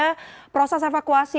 nah proses evakuasi